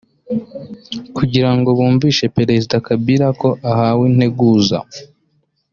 kugira ngo bumvishe Perezida Kabila ko ahawe integuza